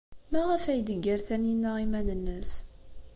Maɣef ay d-teggar Taninna iman-nnes?